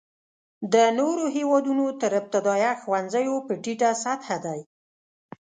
د نورو هېوادونو تر ابتدایه ښوونځیو په ټیټه سطحه دی.